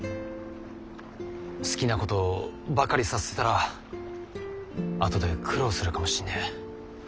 好きなことばかりさせてたらあとで苦労するかもしんねえ。